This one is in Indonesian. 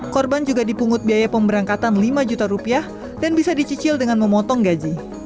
korban juga dipungut biaya pemberangkatan lima juta rupiah dan bisa dicicil dengan memotong gaji